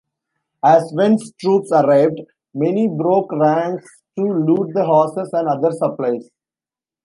As Wen's troops arrived, many broke ranks to loot the horses and other supplies.